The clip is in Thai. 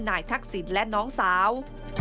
ทักษิณและน้องสาว